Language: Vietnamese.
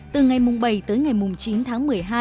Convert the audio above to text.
từ ngày mùng bảy tới ngày mùng chín tháng một mươi hai